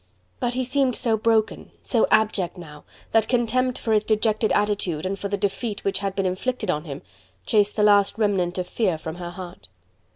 But he seemed so broken, so abject now, that contempt for his dejected attitude, and for the defeat which had been inflicted on him, chased the last remnant of fear from her heart.